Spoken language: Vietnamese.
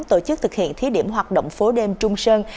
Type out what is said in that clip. tổ chức thực hiện thí điểm hoạt động phố đêm trung sơn